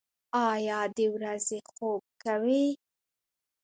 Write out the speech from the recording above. ایا د ورځې خوب کوئ؟